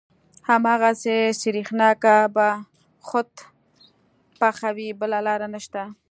هماغه سرېښناکه به خود پخوې بله لاره نشته.